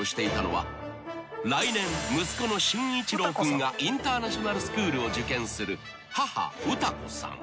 ［来年息子の俊一郎君がインターナショナルスクールを受験する母詩子さん］